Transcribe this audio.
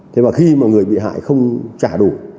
thế và khi mà người bị hại không trả đủ